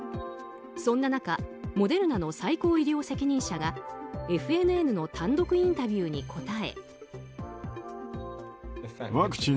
そんな中モデルナの最高医療責任者がＦＮＮの単独インタビューに答え。